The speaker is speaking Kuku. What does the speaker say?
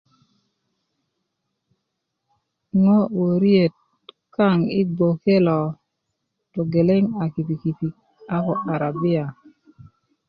ŋo wöriet kaŋ i bgwöke lo togeleŋ a kipi kipik a ko arabia